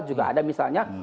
juga ada misalnya